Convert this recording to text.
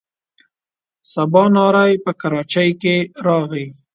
سباناری په کراچۍ کې راغی.